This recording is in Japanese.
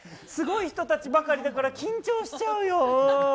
すごい人ばかりだから緊張しちゃうよ。